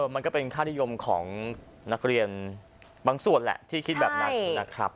มันก็เป็นค่านิยมของนักเรียนบางส่วนแหละที่คิดแบบนั้นนะครับ